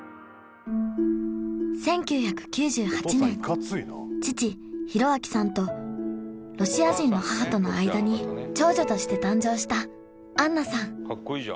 １９９８年父公亮さんとロシア人の母との間に長女として誕生した杏奈さん